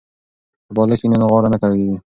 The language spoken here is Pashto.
که بالښت وي نو غاړه نه کږیږي.